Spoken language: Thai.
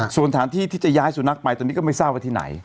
ส่วนสถานที่ที่จะย้ายสุนัขไปตอนนี้ก็ไม่ทราบว่าที่ไหน